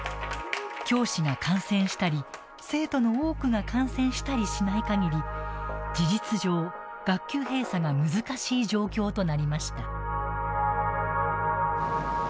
教師が感染したり生徒の多くが感染したりしないかぎり事実上、学級閉鎖が難しい状況となりました。